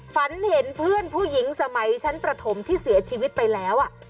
ฝันเห็นเพื่อนผู้หญิงสมัยชั้นประถมที่เสียชีวิตไปแล้ว